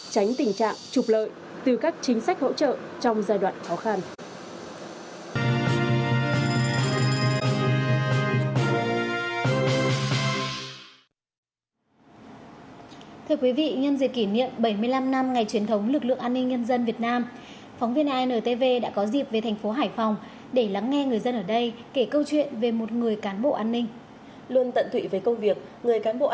tránh tình trạng trục lợi từ các chính sách hỗ trợ trong giai đoạn khó khăn